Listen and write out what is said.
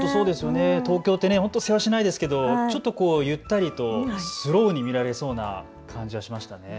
東京ってせわしないですけれどちょっとゆったりとスローに見られそうな感じがしましたね。